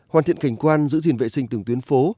hoàn thiện cảnh quan giữ gìn vệ sinh từng tuyến phố